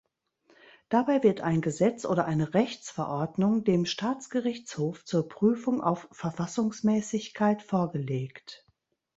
Dabei wird ein Gesetz oder eine Rechtsverordnung dem Staatsgerichtshof zur Prüfung auf Verfassungsmäßigkeit vorgelegt.